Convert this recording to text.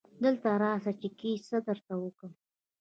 دلته راسه چي کیسه درته وکم.